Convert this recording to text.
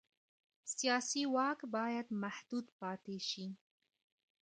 سیاسي واک باید محدود پاتې شي